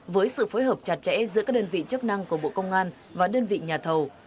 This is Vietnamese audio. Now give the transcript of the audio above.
với sự phối hợp chặt chẽ giữa các đơn vị chức năng của bộ công an và đơn vị nhà thầu